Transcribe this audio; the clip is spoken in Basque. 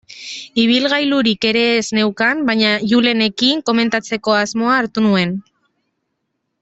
Ibilgailurik ere ez neukan, baina Julenekin komentatzeko asmoa hartu nuen.